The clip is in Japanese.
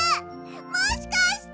もしかして！